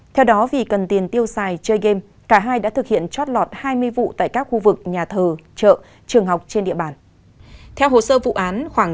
theo đó vì cần tiền tiêu xài chơi game cả hai đã thực hiện chót lọt hai mươi vụ tại các khu vực nhà thờ chợ trường học trên địa bàn